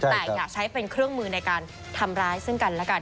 แต่อยากใช้เป็นเครื่องมือในการทำร้ายซึ่งกันแล้วกัน